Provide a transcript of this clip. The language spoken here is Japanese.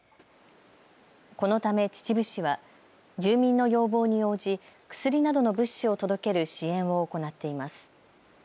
このため秩父市は住民の要望に応じ、薬などの物資を届ける支援を行っています。